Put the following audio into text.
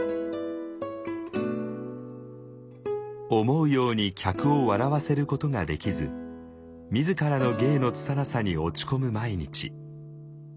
思うように客を笑わせることができず自らの芸のつたなさに落ち込む毎日。